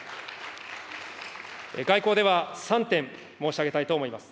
外交では３点、申し上げたいと思います。